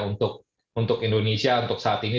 untuk indonesia untuk saat ini